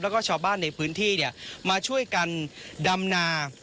แล้วก็ชาวบ้านในพื้นที่มาช่วยกันดำนา